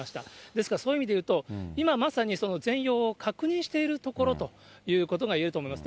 ですから、そういう意味でいうと、今まさにその全容を確認しているところということが言えると思います。